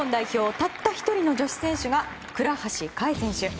たった１人の女子選手が倉橋香衣選手。